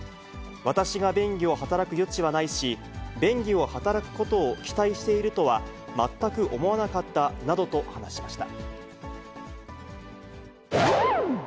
私が便宜を働く余地はないし、便宜を働くことを期待しているとは全く思わなかったなどと話しました。